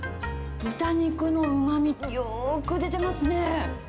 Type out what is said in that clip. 豚肉のうまみがよく出てますね。